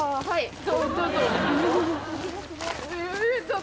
はい。